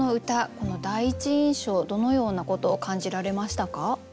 この第一印象どのようなことを感じられましたか？